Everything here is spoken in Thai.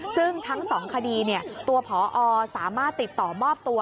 ซึ่งทั้ง๒คดีตัวพอสามารถติดต่อมอบตัว